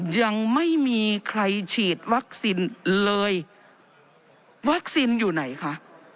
ยังไม่มีใครฉีดวัคซีนเลยวัคซีนอยู่ไหนคะ